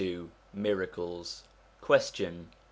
XXII MIRACLES Question.